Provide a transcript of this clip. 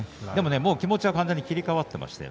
気持ちは完全に切り替わっていました。